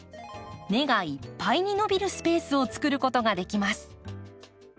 根がいっぱいに伸びるスペースをつくることができます。